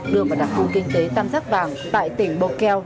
đưa vào đặc khu kinh tế tam giác vàng tại tỉnh bồ kèo